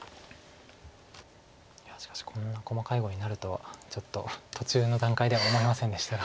いやしかしこんな細かい碁になるとはちょっと途中の段階では思いませんでしたが。